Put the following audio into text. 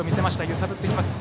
揺さぶってきます。